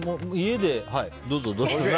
どうぞ、どうぞ。